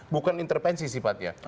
bukan intervensi sifatnya